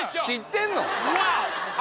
知ってんの？